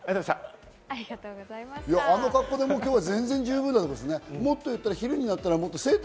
あの格好で今日は十分なんですね。